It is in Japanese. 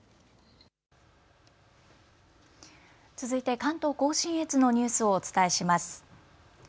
続いて関東甲信越のニュースをお伝えします。